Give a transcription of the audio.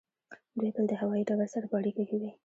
دوی تل د هوایی ډګر سره په اړیکه کې وي